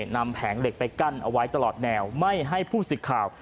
แผงเหล็กไปกั้นเอาไว้ตลอดแนวไม่ให้ผู้สิทธิ์ข่าว